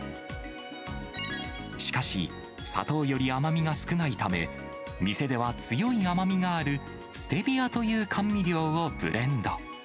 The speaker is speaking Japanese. しかし、砂糖より甘みが少ないため、店では強い甘みがあるステビアという甘味料をブレンド。